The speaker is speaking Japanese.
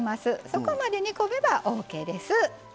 そこまで煮込めばオーケーです。